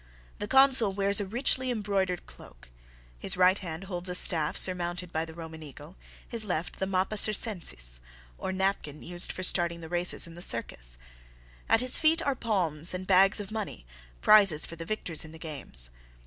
The consul wears a richly embroidered cloak; his right hand holds a staff surmounted by the Roman eagle, his left the mappa circensis, or napkin used for starting the races in the circus; at his feet are palms and bags of money prizes for the victors in the games.